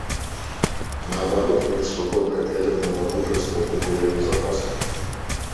Наоборот, мир, свободный от ядерного оружия, стал бы более безопасным.